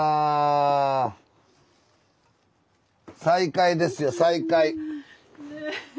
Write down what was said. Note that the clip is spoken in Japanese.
再会ですよ再会。